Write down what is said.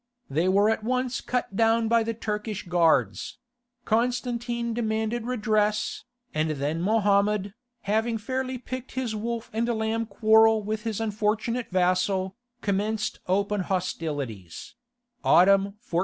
They were at once cut down by the Turkish guards: Constantine demanded redress, and then Mohammed, having fairly picked his wolf and lamb quarrel with his unfortunate vassal, commenced open hostilities [Autumn 1452].